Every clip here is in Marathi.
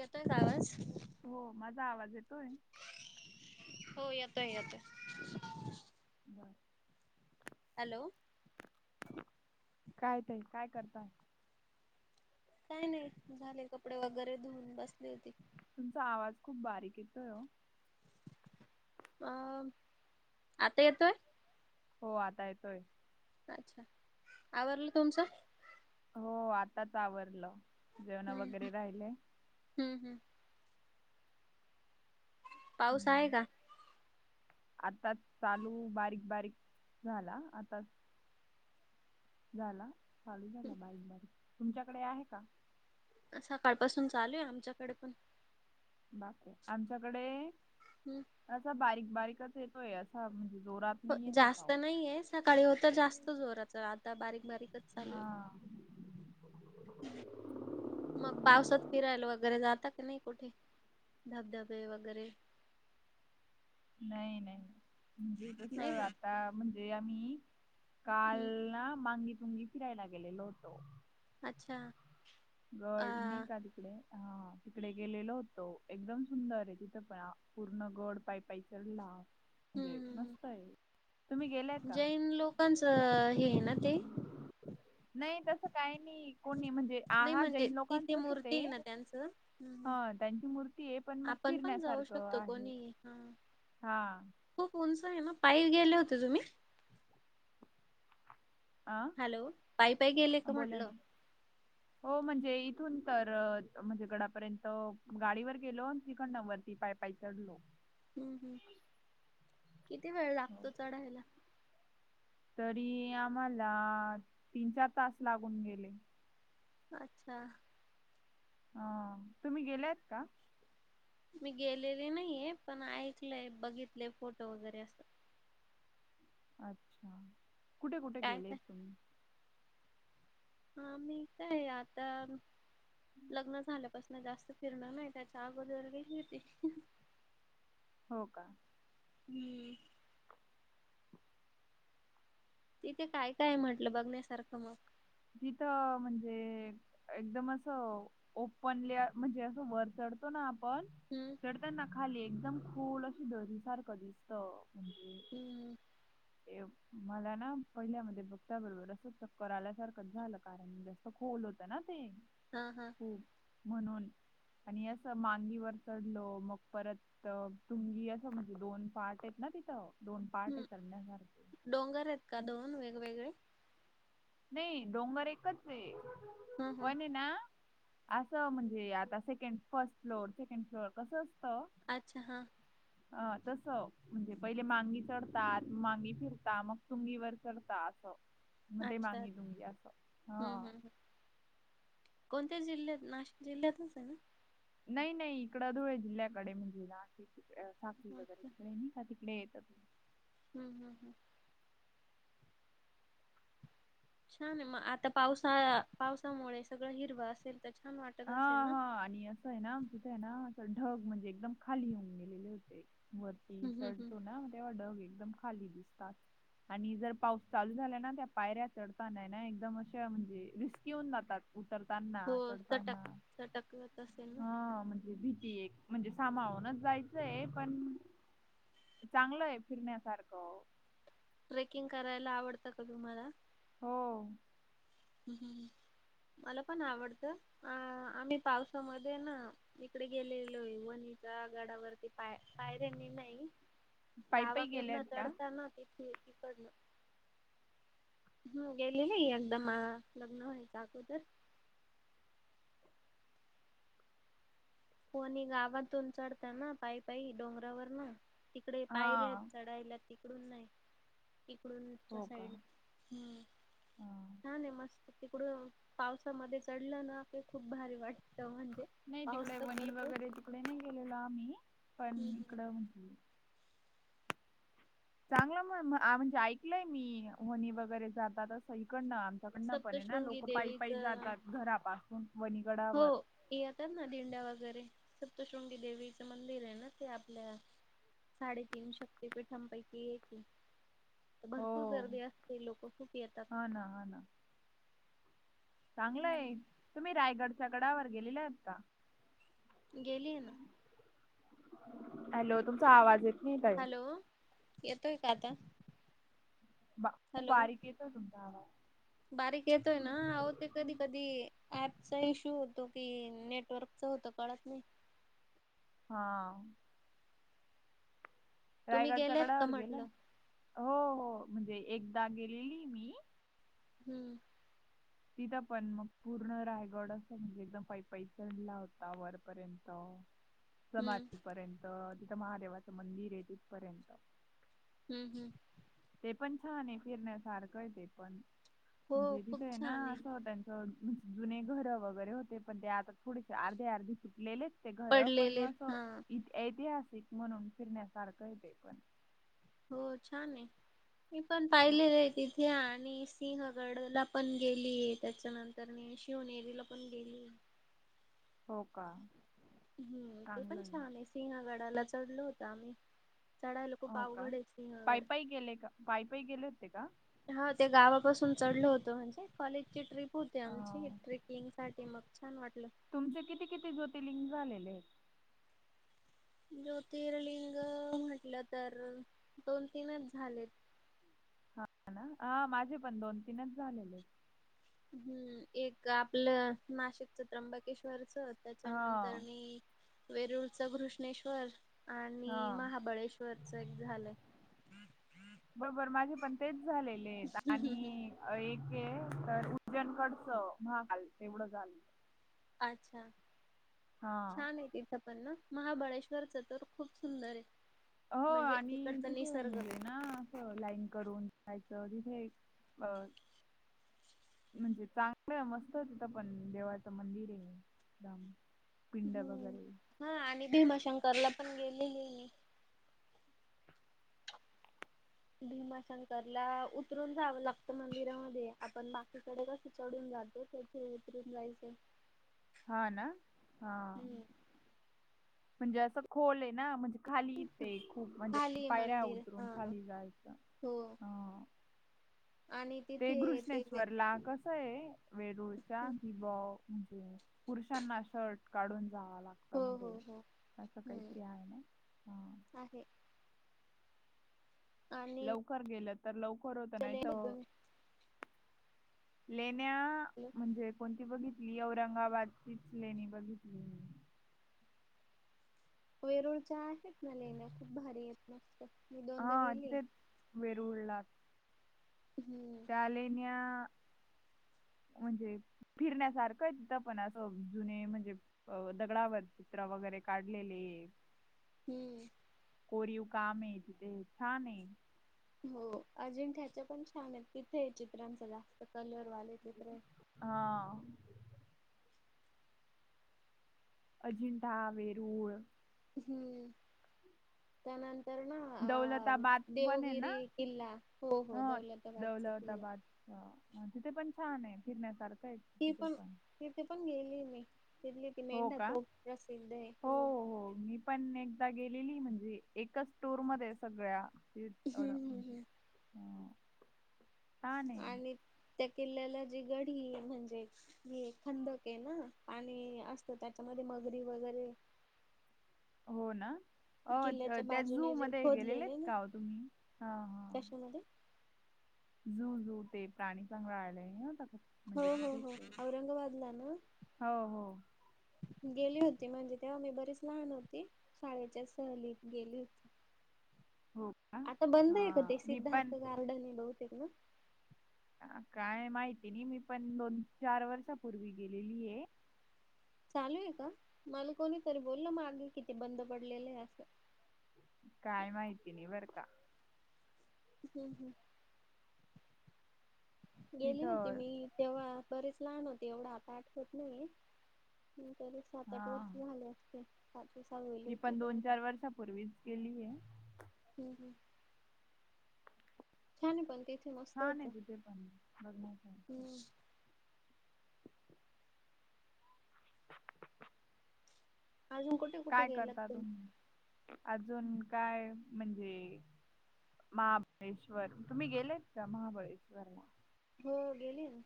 यताय गवाज. हो माझा आवाज येतोय. हो येतोय येतोय. बर. हॅलो. काय ते काय करताय? काही नाही झाले कपडे वगैरे धुऊन, बसली होती. तुमचा आवाज खूप बारीक येतोय ओ अ आता येतोय हो आता येतोय. अच्छा आवरल तुमचं? हो आताच आवरलं, जेवण हम्म वगैरे राहिले. हम्म हम्. पाऊस आहे हम्म. का? आताच चालू बारीक बारीक झाला आता. झाला चालू झाला बारीक बारीक तुमच्याकडे आहे का? सकाळपासून चालू आहे आमच्याकडे पण. बापरे आमच्याकडे हुम्म असा बारीक बारीकच येतोय असा म्हणजे जोरात हो नाही येते जास्त पाऊस. नाहीये सकाळी होत जास्तच जोराच आता बारीक बारीकच चालूल [inaudible] मग पावसात फिरायला वगैरे जाता की नाही कुठे धबधबे वगैरे नाही नाही म्हणजे कस नाही जात आता म्हणजे आम्ही काल हम्म ना मांगी तुंगी फिरायला गेलेलो होतो अच्छा अ गळणे का तिकडे हा तिकडे गेलेलो होतो एकदम सुंदर आहे तिथं पण पूर्ण आ गड टाईप पैसरला हम्म म्हणजे मस्त हम्म आहे तुम्ही गेलाय का कच हे ना ते नाही तसं काही नाही कोणी म्हणजे आ नाही हा म्हणजे जैन ती ती लोकांचच मूर्ती ते आहे ना त्यांचं हम्म, ह हम्म. त्यांची मूर्ती आहे पण मग आपण पण जाऊ फिरण्यासारखं शकतो आहे कोणी हा हा खुप उंच आहे ना पायी गेले होते तुम्ही अ हॅलो पायीपायी गेले का बोला ना म्हटलं हो म्हणजे इथून तर म्हणजे गडापर्यंत गाडीवर गेलो तिकड नवररती पाईप पाई चढलो हम्म हम् किती वेळ लागतो चढायला तरी आम्हालाआ तीन चार तास लागून गेले हम्म हम्म तुम्ही गेलेत का? मी गेलेले नाहीये पण ऐकलय बघितले फोटो वगैरे असं अच्छा कुठे कुठे काय गेलेत काय तुम्ही आम्ही काय आता लग्न झाल्यापासून जास्त फिरणं नाही त्याच्या अगोदर बगीटले होते हा हा हो का हुम्म तिथे काय काय म्हटलं बघण्यासारखं मग? तिथं अ म्हणजे एकदम असं ओपनली म्हणजे असं वर चडतो ना आपण हुम्म चडता ना खाली एकदम खोल अशी दरीसारख दिसत हम्म म्हणजे मला ना पहिल्या म बघता बरोबर असं चक्कर आल्यासारखं झालं कारण जं खोल होत ना ते हम्म हम्म म्हणून आणि अस मांगीवर चढलो मग परत तर तुमी असं म्हणजे दोन पार्ट आहेत ना तिथं दोन पार्ट आहे हम्म चढण्यासारखे डोंगर आहेत का दोन वेगवेगळे? नाही डोंगर एकचंय हं हं पण आहे ना आसं म्हणजे आता सेकंड-फर्स्ट फ्लोअर सेकंड फ्लोअर कसं असतं? अच्छा हा आ तसं म्हणजे पहिले मांगी चढतात मांगी फिरता मग तुंगीवर चढता असं मग ते अच्छा मांगी हा हं हं कोणत्या जिल्ह्यात नाशिक जिल्ह्यातलच आहे ना? नाही-नाही इकडं धुळे जिल्ह्याकडे म्हणजे नाशिक. सागंली वगैरे अच्छा तिकडे नाही तिकडे येतात हम्म्-हम्म्-हम्म्. छान आहे मग आता पावसाळा पावसांमुळे सगळं हिरवं असेल तर छान वाटतं. हा हाआणि असं आहे ना तिथं आहे ना असं ढंग म्हणजे एकदम खाली येऊन गेलेले होते वर हं हं हं चढतों ना तेव्हा ढग एकदम खाली दिसतात. आणि जर पाऊस चालू झाला ना त्या पायऱ्या चढताना आहे ना एकदम अशा म्हणजे रिस्की होऊन जातात. उतरतांना हो चटक चढतांना चटकत असेल ना? हा म्हणजे भीती एक म्हणजे सांभाळूनच जायचंय पण चांगलं आहे फिरण्यासारखं ट्रेकिंग करायला आवडतं का तुम्हाला? हम्म मला पण आवडतं अ आम्ही पावसामध्ये ना इकडे गेलेलोयं वणीच्या गडावरतीं पाय पायऱ्यांनी नाही पायी पायी गावाकडनं गेल्यात का? चढतांना तिथे तिकडनं हम्म गेली नाही एकदा मा लग्नं व्हायच्या अगोदर. कोणी गावातून चढतांना पायी-पायी डोंगरावरंन इकडे पायर्या आहेत हां चढायला तिकडून नाही. इकडच्या हो का? साईडन हा हां. छानंय मस्त. तिकडून पावसामध्ये चढलं ना की खूप भारी वाटतं म्हणजे. नाही पाऊस तिकडे तर वणी पडतोच वगैरे तिकडे नाही गेलेलो आम्ही पण हम्म हम्म इकडं म्हणे चांगलं म्ह म्हणजे ऐकलंय मी वणी वगैरे जाताना असं इकडन आपापल्या परीने ना सप्तशृंगी लोक पायी-पायी देवीचं जातात घरापासून वणी प हो. येतात नां दिंड्या वगैरे, सप्तशृंगी देवीचं मंदिर आहे ना. ते आपल्या साडेतीन शक्ति-पिठांपैकी एके हो भरपूर गर्दी असते, लोक खूप येतात. हा, ना. हा, ना. हम्म चांगलंय, तुम्ही रायगडच्या गडावर गेलेले आहात का? गेलीये ना. हॅलो, तुमचा आवाज येत नाही. ता हॅलो, येतोय का आता? हॅलो बां-बारीक येतोय, तुमचा आवाज बारीक येतोय ना, आहो ते कधी कधी ऍपचा इश्यू होतो कि, नेटवर्कचा होतो कळत नाही हा.. तुम्ही रायगडच्या गेलेत का गडावर गेलाय? म्हटलं हो-हो म्हणजे एकदा, गेलेली मी हम्म् तिथं पण मग, पूर्ण रायगड. असं म्हणजे एकदम पाई-पाई चढला होता वरपर्यंत हम्म समाधीपर्यंत, तिथं महादेवाचं मंदिर आहे. तिथपर्यंत-' हम्म्, हम्म् ते, पण छान आहे. फिरण्यासारखं आहे. ते पण, हो म्हणजे तिथे खूप आहे ना छान असं होतय जुने घर वगैरे होते पण ते आता थोडेसे अर्धे अर्धे तुटलेले ते घर पण पडलेले म हा असं ऐतिहासिक म्हणून फिरण्यासारखं येत पण हो छान आहे मी पण पाहिलेलं आहे तिथे आणि सिंहगड, ला पण गेलीये. त्याच्यानंतर मी, शिवनेरीला पण गेलीयं हो, का हम्म्, ते पण छान आहे. सिंहगडाला, चढलो होतो आम्ही चढायला खूप, हो का अवघडयं पायी सिंहगड-' पायी गेले का पायी पायी गेले होते का हा, ते गावापासून चढलो होतो. म्हणजे कॉलेज ची, ट्रीप होती आमची. अं, ट्रेकिंग साठी मग छान वाटलं तुमचे किती किती ज्योतिलिंग झालेले ज्योतिर्लिंग म्हटलं तर दोन तीनच झालेत हा ना माझे पण दोन तीनच झालेले आहेत. हम्म एक आपलं नाशिकचं त्र्यंबकेश्वर खर्च त्याच्यानंतर हा मी वेरूळच कृष्णेश्वर आणि हा महाबळेश्वरच एक झालंय बरोबर मागे पण तेच झालेले आहेत आणि-' एक आहे तर उज्जनकडच म्हगल तेवढं झालं. अच्छा हा छान आहे त पण ना महाबळेश्वर चं तरो खूप सुंदर आहे हो म्हणजे आणि तिकडचा तिथे निसर्ग म्हणजे ना लाईन करून जायचं तिथे अ म्हणजे चांगलं मस्त तिथं पण देवाचं मंदिर आहे एकदम पिंड हम्म वगैरे हा आणि भीमाशंकरला पण गेलेले भीमाशंकर ला उतरून जाव लक्त मंदिरामध्ये आपण बाकीकडे कस चढून जातो. ते उतरून जायचं. [inaudible] हा ना हा हम्म म्हणजे असं खोल आहे ना म्हणजे खाली ते खूप खाली म्हणजे आहे पायऱ्या मंदिर उतरून हा. खाली जायचं हो ह आणि ते तिथे ते वे घृष्णेश्वर ला कस आहे वेरूळच्या दिवा म्हणजे पुरुषांना शर्ट काढून जावा हो लागत हो हो असं हम्म काहीतरी आहे ना ह आहे. आणि लवकर गेलं तर लवकर होत. नाही तर लेण्या म्हणजे कोणती बघितली. औरंगाबादचीच लेणी बघितली. वेरूळच्या आहेत ना लेण्या खूप भारी आहेत. मस्त दोनदा हा गेली तेच वेरूळला. हम्म त्या लेण्या म्हणजे फिरण्यासारखंच आहे तिथे पण असं जुने म्हणजे अ दगडावर चित्र वगैरे काढलेली आहेत. हम्म कोरीव काम आहे तिथे. छान आहे. हो अजिंठ्याच्या पण छान आहेत. तिथे चित्रांचं जास्त कलर वाले चित्र हा अजिंठा, वेरूळ हम्म त्यानंतर ना अ दौलताबाद पण आहे ना. देवगिरी किल्ला. हो ह हो दौलताबादचा किल्ला. दौलताबाद. तिथे पण छान आहे. फिरण्यासारखं आहे. तिथे तिथेपण पण. गेलेली आहे मी. तिथली ती हो मेंढा का? तोप प्रसिद्ध आहे. हो हो मी पण एकदा गेलेली आहे. म्हणजे एकच टूर मध्ये सगळ्या एवढ हम्म छान आहे. त्या किल्ल्याला जी गडी म्हणजे हे खंदक आहे ना. पाणी असतं त्याच्यामध्ये. मगरी वगैरे हो ना. अ किल्ल्याच्या त्या झू बाजूने जे मध्ये गेलेले आहेत खोदलेले ना का ओ तुम्ही? हा हा कशामध्ये झू झू ते प्राणी संग्रहालय नव्हतं का. हो म्हणजे हो तिथेच हो आहे. औरंगाबादला ना. हो हो. गेली होती. म्हणजे तेव्हा मी बरीच लहान होती. शाळेच्या सहलीत गेली होती. [inaudible] आता बंद आहे का ते? हा मी पण सिद्धार्थ गार्डन आहे बहुतेक ना. ह काय माहिती नाही. मी पण दोन चार वर्षापूर्वी गेलेली आहे. चालू आहे का? मला कोणीतरी बोललं माग कि ते बंद पडलेलं आहे अस. काय माहिती नाही बर का. हम्म हम्म गेली होते तिथं मी. तेव्हा बरेच लहान होती. एवढं आता आठवत नाहीये. बरीच हा सात-आठ वर्ष झाले असतील. पाचवी सहावी मी पण दोन चार वर्षांपूर्वीच गेली आहे. हम्म हम्म छान आहे पण ते छान आहे तिथे पण बघण्यासारखं. हम्म अजून कुठ काय करता तुम्ही? अजून काय म्हणजे महाबळेश्वर, तुम्ही गेलेत का महाबळेश्वरला. हो गेलीय ना.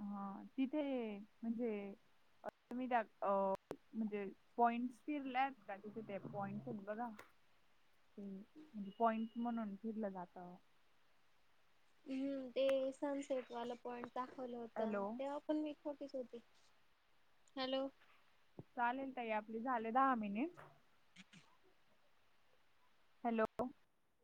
हा तिथे म्हणजे तुम्ही त्या अ म्हणजे पॉइंट्स फिरला आहेत का? तिथे ते पॉइंट्स आहेत बघा. ते म्हणजे पॉइंट म्हणून फिरलं जात. हम्म ते सनसेट वालं पॉईंट दाखवलं होत. हॅलो तेव्हा पण मी छोटीच होते. हॅलो चालेल ताई आपली झाले दहा मिनिट. [inaudible] हॅलो.